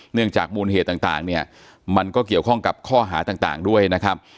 เนื่องจากมูลเหตุต่างเนี่ยมันก็เกี่ยวข้องกับข้อหาต่างด้วยนะครับ